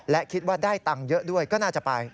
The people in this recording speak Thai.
และคิดว่าได้ตังค์เยอะด้วยก็น่าจะไป